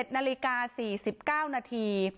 ๑นาฬิกา๔๙นาที